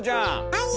はい！